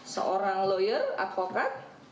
seorang lawyer advokat